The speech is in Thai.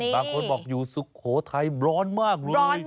บางคนบอกอยู่สุโขทัยร้อนมากเลย